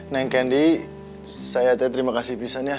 neng candy saya hati hati terima kasih pisahnya